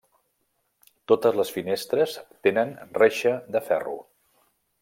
Totes les finestres tenen reixa de ferro.